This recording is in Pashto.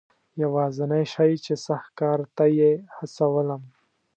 یوازنی شی چې سخت کار ته یې هڅولم.